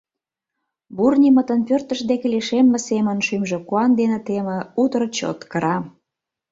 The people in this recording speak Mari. Бурнимытын пӧртышт деке лишемме семын шӱмжӧ куан дене теме, утыр чот кыра.